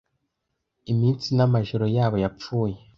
Iminsi n'amajoro yabo yapfuye